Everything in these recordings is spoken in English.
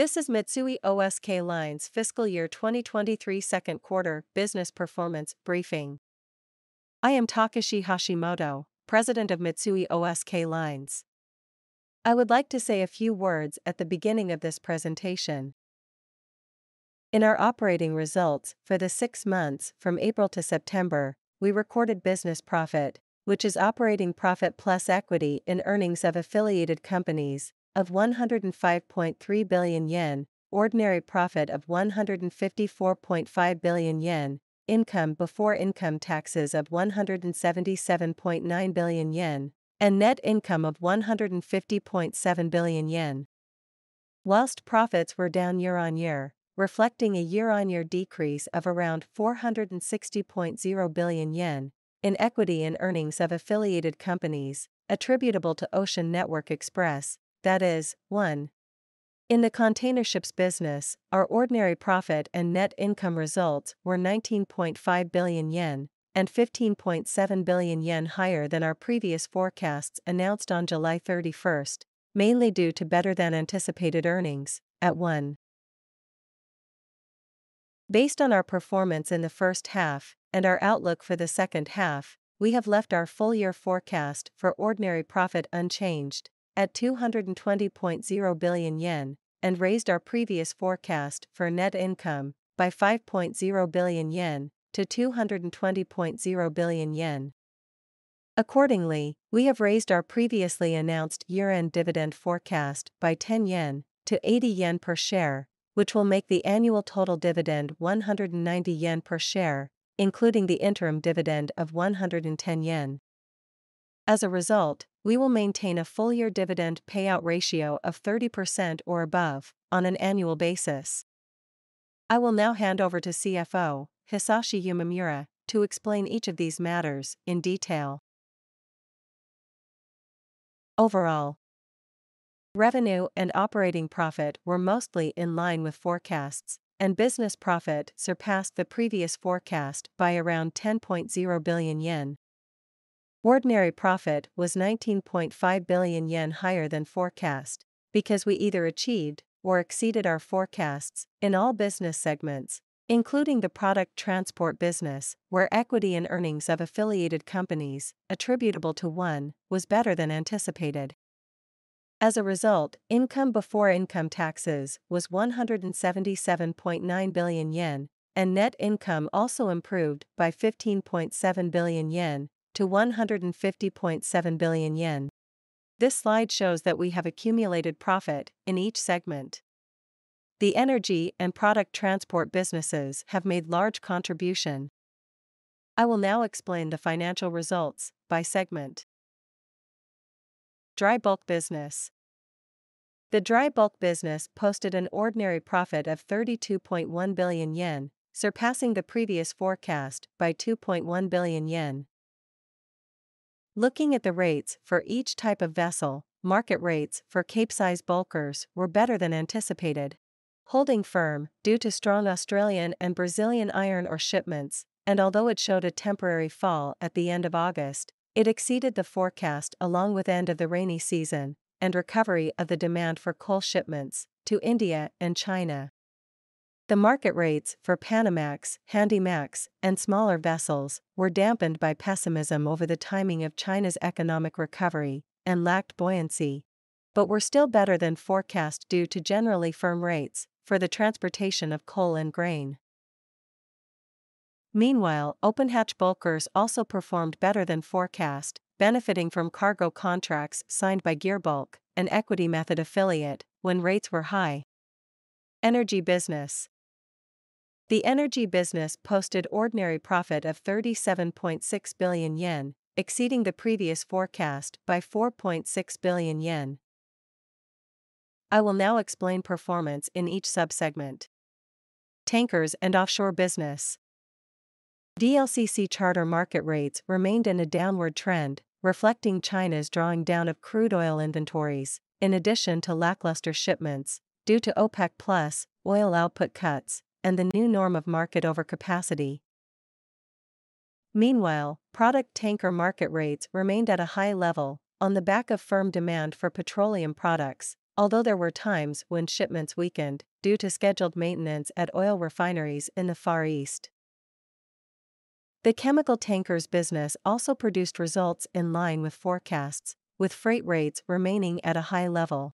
This is Mitsui O.S.K. Lines' fiscal year 2023 second quarter business performance briefing. I am Takeshi Hashimoto, President of Mitsui O.S.K. Lines. I would like to say a few words at the beginning of this presentation. In our operating results for the six months from April to September, we recorded business profit, which is operating profit plus equity in earnings of affiliated companies of 105.3 billion yen, ordinary profit of 154.5 billion yen, income before income taxes of 177.9 billion yen, and net income of 150.7 billion yen. While profits were down year-on-year, reflecting a year-on-year decrease of around 460.0 billion yen in equity in earnings of affiliated companies attributable to Ocean Network Express, that is, ONE. In the containerships business, our ordinary profit and net income results were 19.5 billion yen and 15.7 billion yen higher than our previous forecasts announced on July 31st, mainly due to better-than-anticipated earnings at ONE. Based on our performance in the first half and our outlook for the second half, we have left our full-year forecast for ordinary profit unchanged at 220.0 billion yen, and raised our previous forecast for net income by 5.0 billion yen to 220.0 billion yen. Accordingly, we have raised our previously announced year-end dividend forecast by 10 yen to 80 yen per share, which will make the annual total dividend 190 yen per share, including the interim dividend of 110 yen. As a result, we will maintain a full-year dividend payout ratio of 30% or above on an annual basis. I will now hand over to CFO Hisashi Umemura, to explain each of these matters in detail. Overall, revenue and operating profit were mostly in line with forecasts, and business profit surpassed the previous forecast by around 10.0 billion yen. Ordinary profit was 19.5 billion yen higher than forecast because we either achieved or exceeded our forecasts in all business segments, including the product transport business, where equity and earnings of affiliated companies attributable to ONE was better than anticipated. As a result, income before income taxes was 177.9 billion yen, and net income also improved by 15.7 billion yen to 150.7 billion yen. This slide shows that we have accumulated profit in each segment. The energy and product transport businesses have made large contribution. I will now explain the financial results by segment. Dry bulk business. The dry bulk business posted an ordinary profit of 32.1 billion yen, surpassing the previous forecast by 2.1 billion yen. Looking at the rates for each type of vessel, market rates for capesize bulkers were better than anticipated, holding firm due to strong Australian and Brazilian iron ore shipments, and although it showed a temporary fall at the end of August, it exceeded the forecast, along with end of the rainy season and recovery of the demand for coal shipments to India and China. The market rates for panamax, handymax, and smaller vessels were dampened by pessimism over the timing of China's economic recovery and lacked buoyancy, but were still better than forecast due to generally firm rates for the transportation of coal and grain. Meanwhile, open-hatch bulkers also performed better than forecast, benefiting from cargo contracts signed by Gearbulk, an equity method affiliate when rates were high. Energy business. The energy business posted ordinary profit of 37.6 billion yen, exceeding the previous forecast by 4.6 billion yen. I will now explain performance in each sub-segment. Tankers and offshore business. VLCC charter market rates remained in a downward trend, reflecting China's drawing down of crude oil inventories, in addition to lackluster shipments due to OPEC+ oil output cuts and the new norm of market overcapacity. Meanwhile, product tanker market rates remained at a high level on the back of firm demand for petroleum products, although there were times when shipments weakened due to scheduled maintenance at oil refineries in the Far East. The chemical tankers business also produced results in line with forecasts, with freight rates remaining at a high level.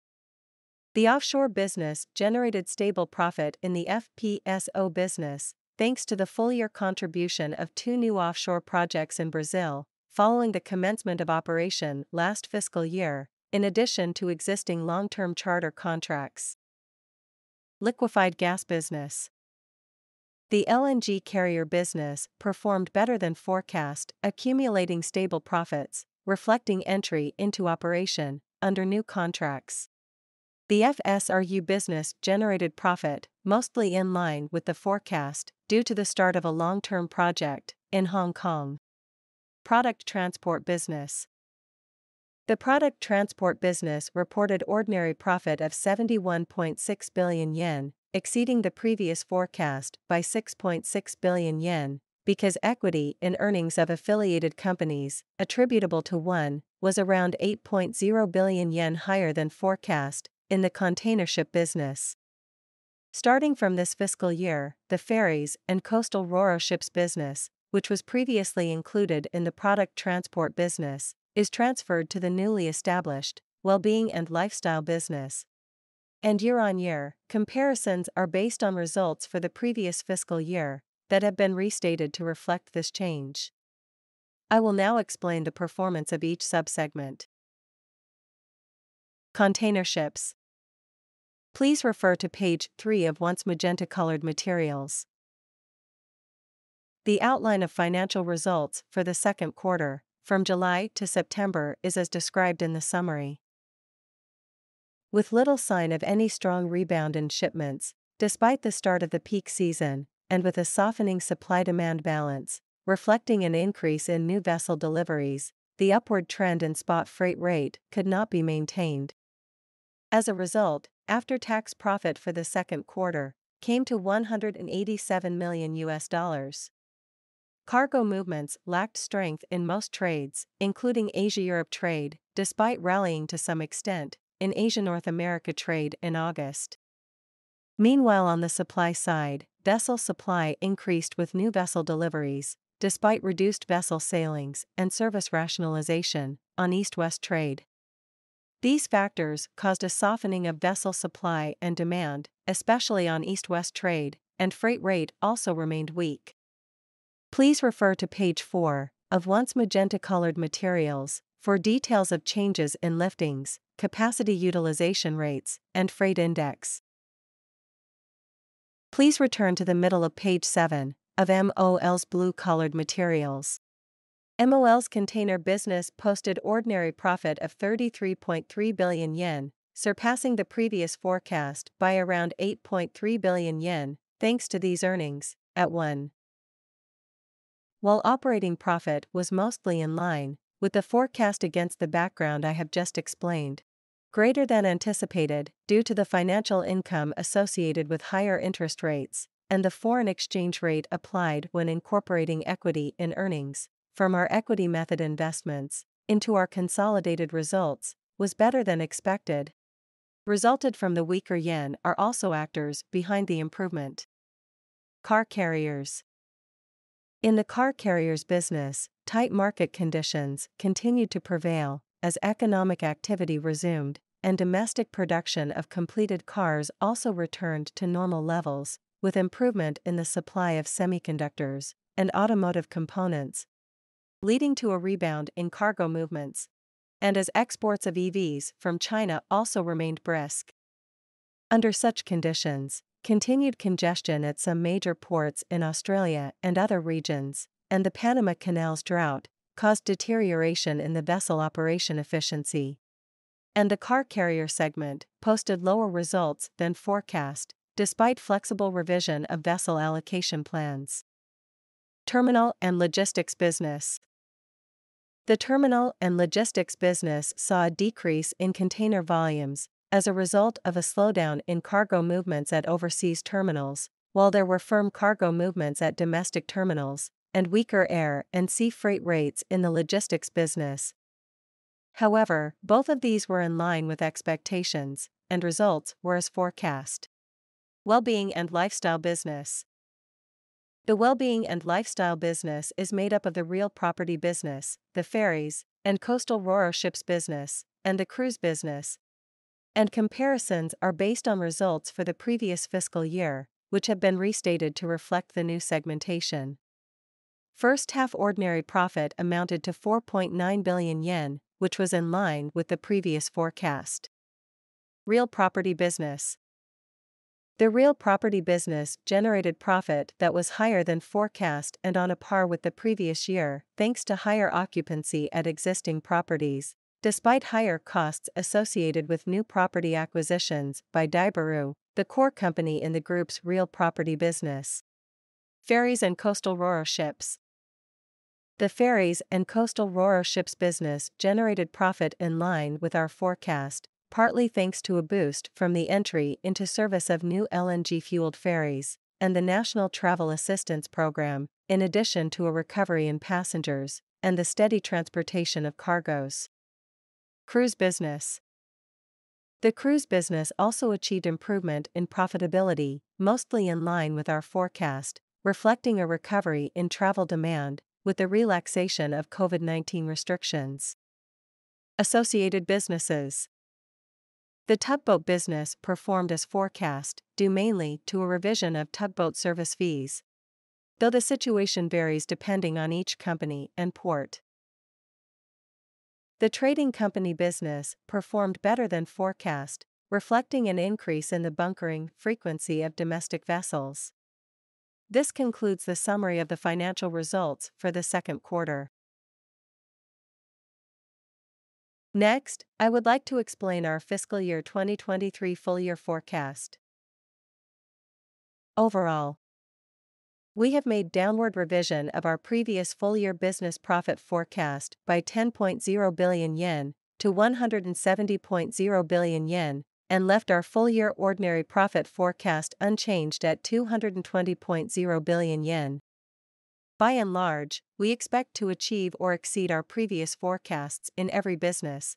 The offshore business generated stable profit in the FPSO business, thanks to the full-year contribution of two new offshore projects in Brazil following the commencement of operation last fiscal year, in addition to existing long-term charter contracts. Liquefied gas business. The LNG carrier business performed better than forecast, accumulating stable profits, reflecting entry into operation under new contracts. The FSRU business generated profit mostly in line with the forecast, due to the start of a long-term project in Hong Kong. Product transport business. The product transport business reported ordinary profit of 71.6 billion yen, exceeding the previous forecast by 6.6 billion yen, because equity and earnings of affiliated companies attributable to ONE was around 8.0 billion yen, higher than forecast in the containership business. Starting from this fiscal year, the ferries and coastal ro-ro ships business, which was previously included in the product transport business, is transferred to the newly established wellbeing and lifestyle business. Year-on-year comparisons are based on results for the previous fiscal year that have been restated to reflect this change. I will now explain the performance of each sub-segment. Container ships. Please refer to Page 3 of ONE's magenta-colored materials. The outline of financial results for the second quarter from July to September is as described in the summary. With little sign of any strong rebound in shipments, despite the start of the peak season, and with a softening supply-demand balance reflecting an increase in new vessel deliveries, the upward trend in spot freight rate could not be maintained. As a result, after-tax profit for the second quarter came to $187 million. Cargo movements lacked strength in most trades, including Asia-Europe trade, despite rallying to some extent in Asia-North America trade in August. Meanwhile, on the supply side, vessel supply increased with new vessel deliveries, despite reduced vessel sailings and service rationalization on East-West trade. These factors caused a softening of vessel supply and demand, especially on East-West trade, and freight rate also remained weak. Please refer to Page 4 of ONE's magenta-colored materials for details of changes in liftings, capacity utilization rates, and freight index. Please return to the middle of Page 7 of MOL's blue-colored materials. MOL's container business posted ordinary profit of 33.3 billion yen, surpassing the previous forecast by around 8.3 billion yen, thanks to these earnings at ONE. While operating profit was mostly in line with the forecast against the background I have just explained, greater than anticipated due to the financial income associated with higher interest rates and the foreign exchange rate applied when incorporating equity in earnings from our equity method investments into our consolidated results was better than expected, resulted from the weaker yen are also actors behind the improvement. Car carriers. In the car carriers business, tight market conditions continued to prevail as economic activity resumed and domestic production of completed cars also returned to normal levels, with improvement in the supply of semiconductors and automotive components, leading to a rebound in cargo movements, and as exports of EVs from China also remained brisk. Under such conditions, continued congestion at some major ports in Australia and other regions, and the Panama Canal's drought caused deterioration in the vessel operation efficiency, and the car carrier segment posted lower results than forecast, despite flexible revision of vessel allocation plans. Terminal and logistics business. The terminal and logistics business saw a decrease in container volumes as a result of a slowdown in cargo movements at overseas terminals, while there were firm cargo movements at domestic terminals and weaker air and sea freight rates in the logistics business. However, both of these were in line with expectations, and results were as forecast. Wellbeing and lifestyle business. The wellbeing and lifestyle business is made up of the real property business, the ferries and coastal ro-ro ships business, and the cruise business, and comparisons are based on results for the previous fiscal year, which have been restated to reflect the new segmentation. First half ordinary profit amounted to 4.9 billion yen, which was in line with the previous forecast. Real property business. The real property business generated profit that was higher than forecast and on a par with the previous year, thanks to higher occupancy at existing properties, despite higher costs associated with new property acquisitions by Daibiru, the core company in the group's real property business. Ferries and coastal ro-ro ships. The ferries and coastal ro-ro ships business generated profit in line with our forecast, partly thanks to a boost from the entry into service of new LNG-fueled ferries and the National Travel Assistance Program, in addition to a recovery in passengers and the steady transportation of cargoes. Cruise business. The cruise business also achieved improvement in profitability, mostly in line with our forecast, reflecting a recovery in travel demand with the relaxation of COVID-19 restrictions. Associated businesses. The tugboat business performed as forecast, due mainly to a revision of tugboat service fees, though the situation varies depending on each company and port. The trading company business performed better than forecast, reflecting an increase in the bunkering frequency of domestic vessels. This concludes the summary of the financial results for the second quarter. Next, I would like to explain our fiscal year 2023 full-year forecast. Overall, we have made downward revision of our previous full-year business profit forecast by 10.0 billion yen to 170.0 billion yen, and left our full-year ordinary profit forecast unchanged at 220.0 billion yen. By and large, we expect to achieve or exceed our previous forecasts in every business,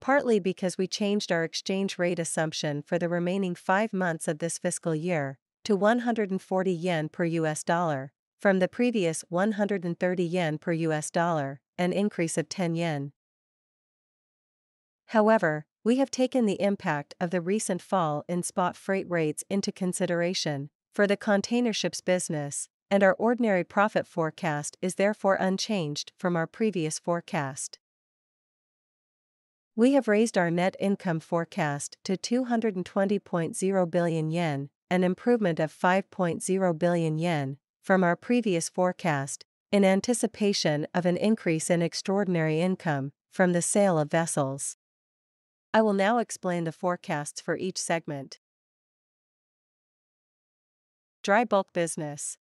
partly because we changed our exchange rate assumption for the remaining five months of this fiscal year to 140 yen per U.S. dollar from the previous 130 yen per U.S. dollar, an increase of 10 yen. However, we have taken the impact of the recent fall in spot freight rates into consideration for the containerships business, and our ordinary profit forecast is therefore unchanged from our previous forecast. We have raised our net income forecast to 220.0 billion yen, an improvement of 5.0 billion yen from our previous forecast, in anticipation of an increase in extraordinary income from the sale of vessels. I will now explain the forecasts for each segment. Dry bulk business.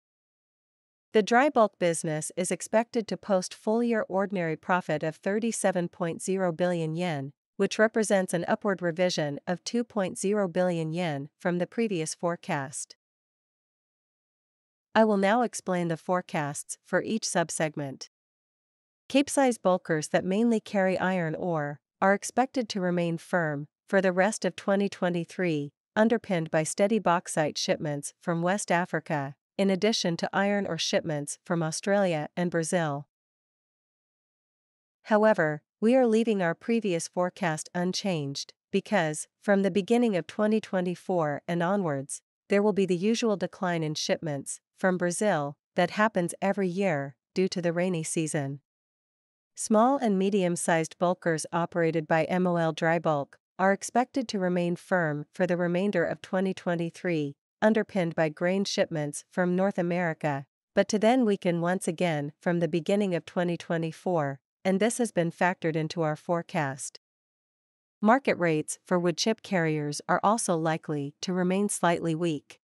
The dry bulk business is expected to post full-year ordinary profit of 37.0 billion yen, which represents an upward revision of 2.0 billion yen from the previous forecast. I will now explain the forecasts for each sub-segment. Capesize bulkers that mainly carry iron ore are expected to remain firm for the rest of 2023, underpinned by steady bauxite shipments from West Africa, in addition to iron ore shipments from Australia and Brazil. However, we are leaving our previous forecast unchanged because from the beginning of 2024 and onwards, there will be the usual decline in shipments from Brazil that happens every year due to the rainy season. Small and medium-sized bulkers operated by MOL Drybulk are expected to remain firm for the remainder of 2023, underpinned by grain shipments from North America, but to then weaken once again from the beginning of 2024, and this has been factored into our forecast. Market rates for wood chip carriers are also likely to remain slightly weak.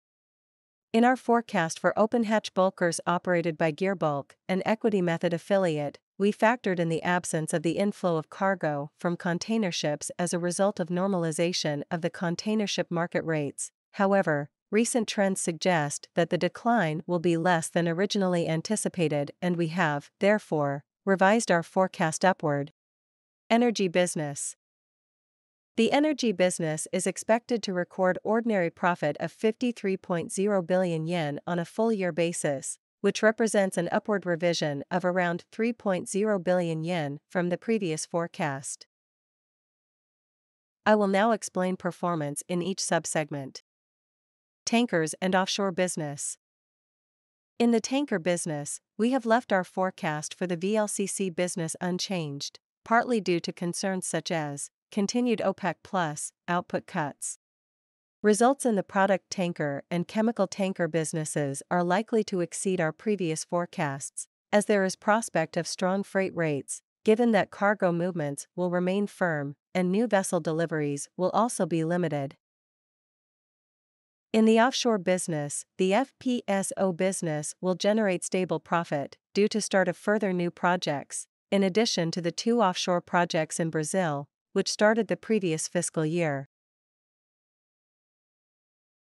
In our forecast for open-hatch bulkers operated by Gearbulk, an equity method affiliate, we factored in the absence of the inflow of cargo from containerships as a result of normalization of the containership market rates. However, recent trends suggest that the decline will be less than originally anticipated, and we have, therefore, revised our forecast upward. Energy business. The energy business is expected to record ordinary profit of 53.0 billion yen on a full-year basis, which represents an upward revision of around 3.0 billion yen from the previous forecast. I will now explain performance in each sub-segment. Tankers and offshore business. In the tanker business, we have left our forecast for the VLCC business unchanged, partly due to concerns such as continued OPEC+ output cuts. Results in the product tanker and chemical tanker businesses are likely to exceed our previous forecasts, as there is prospect of strong freight rates, given that cargo movements will remain firm and new vessel deliveries will also be limited. In the offshore business, the FPSO business will generate stable profit due to start of further new projects, in addition to the two offshore projects in Brazil, which started the previous fiscal year.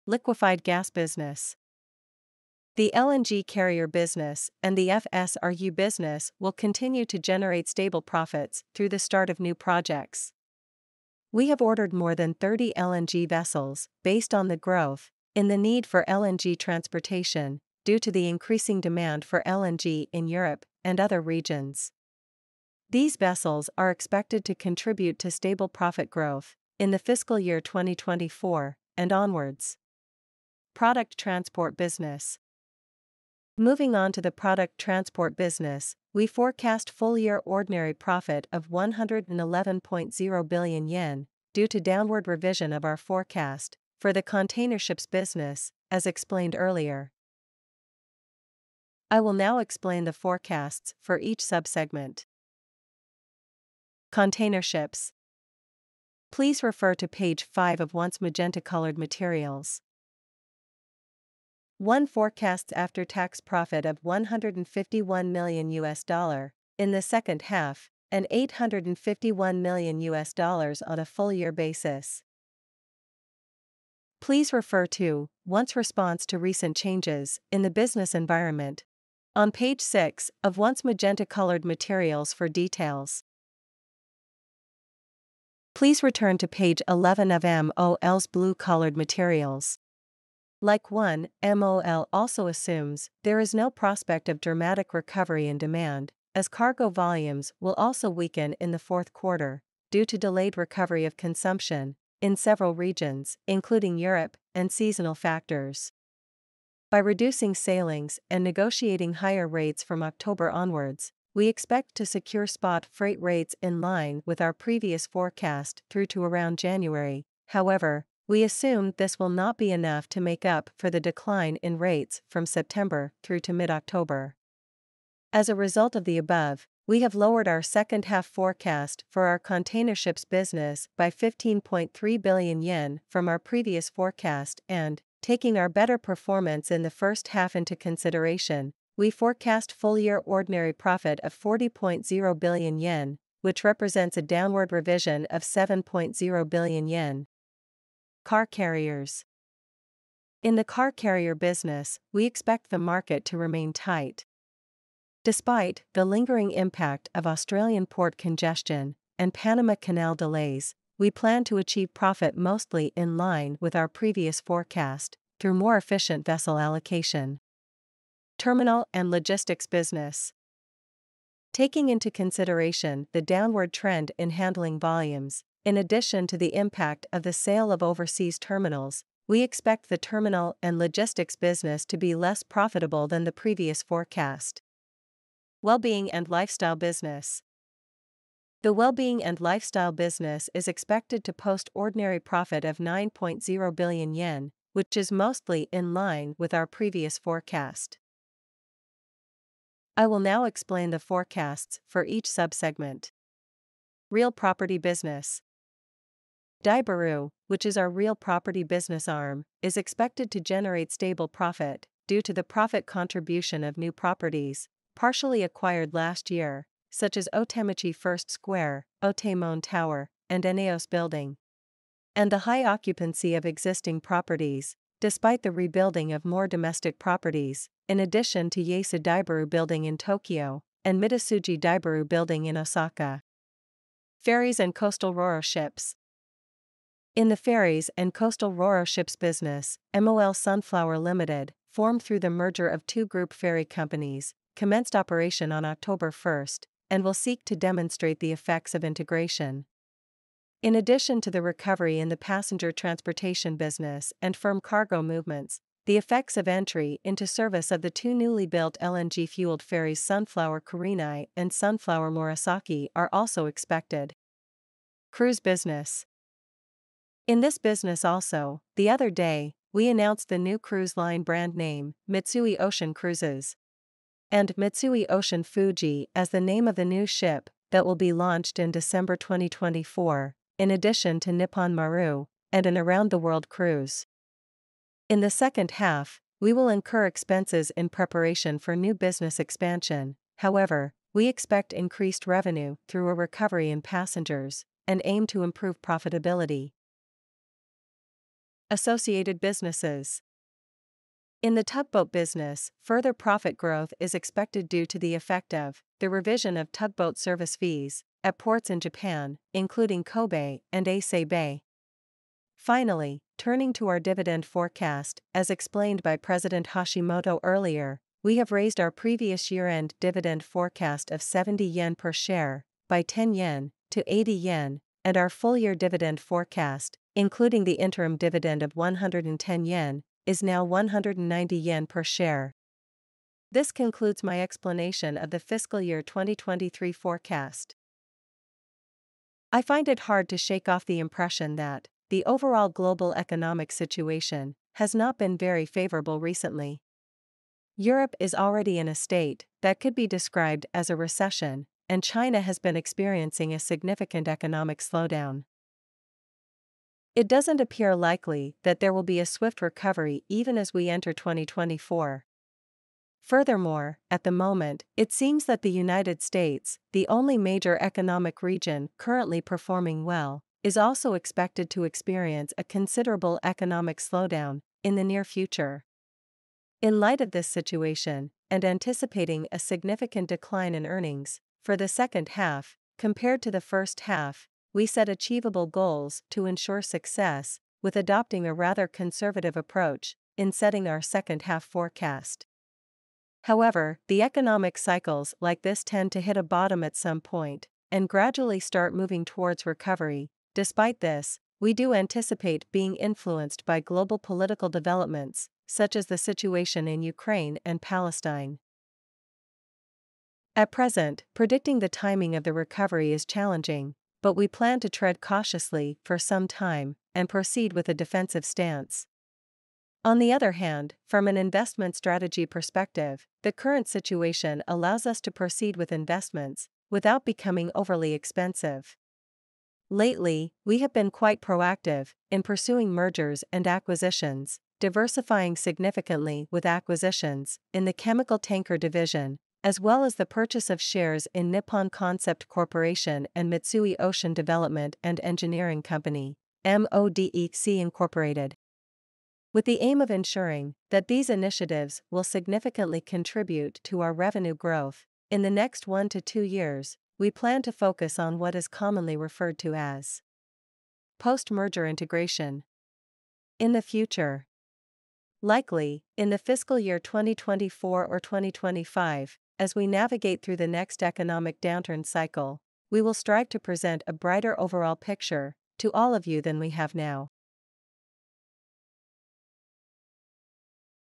Liquefied gas business. The LNG carrier business and the FSRU business will continue to generate stable profits through the start of new projects. We have ordered more than 30 LNG vessels based on the growth in the need for LNG transportation due to the increasing demand for LNG in Europe and other regions. These vessels are expected to contribute to stable profit growth in the fiscal year 2024 and onwards. Product transport business. Moving on to the product transport business, we forecast full-year ordinary profit of 111.0 billion yen due to downward revision of our forecast for the containerships business, as explained earlier. I will now explain the forecasts for each sub-segment. Containerships. Please refer to Page 5 of ONE's magenta-colored materials. ONE forecasts after-tax profit of $151 million in the second half and $851 million on a full-year basis. Please refer to ONE's response to recent changes in the business environment on Page 6 of ONE's magenta-colored materials for details. Please return to Page 11 of MOL's blue-colored materials. Like ONE, MOL also assumes there is no prospect of dramatic recovery in demand, as cargo volumes will also weaken in the fourth quarter due to delayed recovery of consumption in several regions, including Europe and seasonal factors. By reducing sailings and negotiating higher rates from October onwards, we expect to secure spot freight rates in line with our previous forecast through to around January. However, we assume this will not be enough to make up for the decline in rates from September through to mid-October. As a result of the above, we have lowered our second half forecast for our containerships business by 15.3 billion yen from our previous forecast, and taking our better performance in the first half into consideration, we forecast full-year ordinary profit of 40.0 billion yen, which represents a downward revision of 7.0 billion yen. Car carriers. In the car carrier business, we expect the market to remain tight. Despite the lingering impact of Australian port congestion and Panama Canal delays, we plan to achieve profit mostly in line with our previous forecast through more efficient vessel allocation. Terminal and logistics business. Taking into consideration the downward trend in handling volumes, in addition to the impact of the sale of overseas terminals, we expect the terminal and logistics business to be less profitable than the previous forecast. Wellbeing and lifestyle business. The wellbeing and lifestyle business is expected to post ordinary profit of 9.0 billion yen, which is mostly in line with our previous forecast. I will now explain the forecasts for each sub-segment. Real property business. Daibiru, which is our real property business arm, is expected to generate stable profit due to the profit contribution of new properties, partially acquired last year, such as Otemachi First Square, Otemon Tower, and ENEOS Building, and the high occupancy of existing properties, despite the rebuilding of more domestic properties, in addition to Yaesu Daibiru Building in Tokyo and Midosuji Daibiru Building in Osaka. Ferries and coastal ro-ro ships. In the ferries and coastal ro-ro ships business, MOL Sunflower Ltd, formed through the merger of two group ferry companies, commenced operation on October 1st, and will seek to demonstrate the effects of integration. In addition to the recovery in the passenger transportation business and firm cargo movements, the effects of entry into service of the two newly built LNG-fueled ferries, Sunflower Kurenai and Sunflower Murasaki, are also expected. Cruise business. In this business also, the other day, we announced the new cruise line brand name, Mitsui Ocean Cruises, and Mitsui Ocean Fuji as the name of the new ship that will be launched in December 2024, in addition to Nippon Maru and an around-the-world cruise. In the second half, we will incur expenses in preparation for new business expansion. However, we expect increased revenue through a recovery in passengers and aim to improve profitability. Associated businesses. In the tugboat business, further profit growth is expected due to the effect of the revision of tugboat service fees at ports in Japan, including Kobe and Ise Bay. Finally, turning to our dividend forecast, as explained by President Hashimoto earlier, we have raised our previous year-end dividend forecast of 70 yen per share, by 10 yen to 80 yen, and our full-year dividend forecast, including the interim dividend of 110 yen, is now 190 yen per share. This concludes my explanation of the fiscal year 2023 forecast. I find it hard to shake off the impression that the overall global economic situation has not been very favorable recently. Europe is already in a state that could be described as a recession, and China has been experiencing a significant economic slowdown. It doesn't appear likely that there will be a swift recovery even as we enter 2024. Furthermore, at the moment, it seems that the United States, the only major economic region currently performing well, is also expected to experience a considerable economic slowdown in the near future. In light of this situation, and anticipating a significant decline in earnings for the second half compared to the first half, we set achievable goals to ensure success, with adopting a rather conservative approach in setting our second-half forecast. However, the economic cycles like this tend to hit a bottom at some point and gradually start moving towards recovery. Despite this, we do anticipate being influenced by global political developments, such as the situation in Ukraine and Palestine. At present, predicting the timing of the recovery is challenging, but we plan to tread cautiously for some time and proceed with a defensive stance. On the other hand, from an investment strategy perspective, the current situation allows us to proceed with investments without becoming overly expensive. Lately, we have been quite proactive in pursuing mergers and acquisitions, diversifying significantly with acquisitions in the chemical tanker division, as well as the purchase of shares in Nippon Concept Corporation and Mitsui Ocean Development & Engineering Company, MODEC Inc. With the aim of ensuring that these initiatives will significantly contribute to our revenue growth in the next one to two years, we plan to focus on what is commonly referred to as post-merger integration. In the future, likely in the fiscal year 2024 or 2025, as we navigate through the next economic downturn cycle, we will strive to present a brighter overall picture to all of you than we have now.